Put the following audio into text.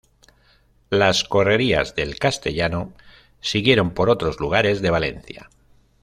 Las correrías del castellano siguieron por otros lugares de Valencia.